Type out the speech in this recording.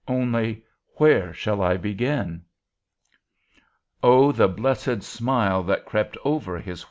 Only, where shall I begin?' "Oh, the blessed smile that crept over his white face!